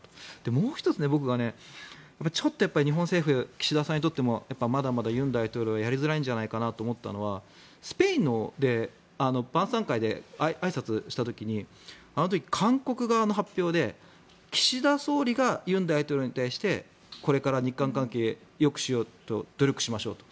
もう１つが日本政府、岸田さんにとってもまだまだ尹大統領はやりづらいんじゃないかなと思ったのはスペインの晩さん会であいさつした時にあの時、韓国側の発表で岸田総理が尹大統領に対してこれから日韓関係よくしようと努力しましょうと。